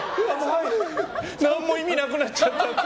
何も意味なくなっちゃったって。